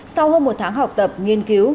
sau hơn một tháng học tập nghiên cứu